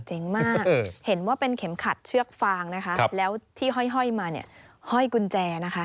เจ๋งมากเห็นว่าเป็นเข็มขัดเชือกฟางแล้วที่ห้อยมาห้อยกุญแจนะคะ